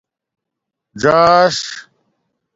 ژاݽ